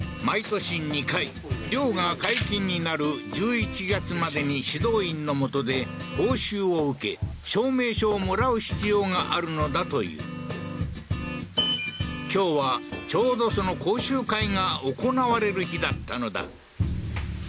毎年２回猟が解禁になる１１月までに指導員の元で講習を受け証明書をもらう必要があるのだという今日はちょうどその講習会が行われる日だったのだ